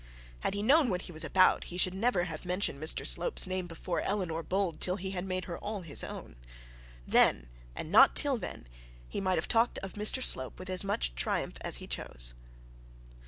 Had he known what he was about he should never have mentioned Mr Slope's name before Eleanor Bold, till he had made her all his own. Then, and not till then, he might have talked of Mr Slope with as much triumph as he chose.